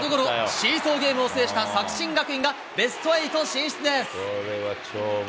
シーソーゲームを制した作新学院がベスト８進出です。